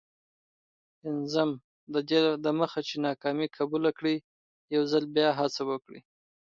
پنځم: ددې دمخه چي ناکامي قبوله کړې، یوځل بیا هڅه وکړه.